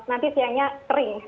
nanti siangnya kering